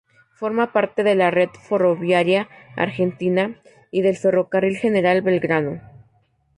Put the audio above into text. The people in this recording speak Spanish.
Forma parte de la red ferroviaria argentina, y del Ferrocarril General Belgrano.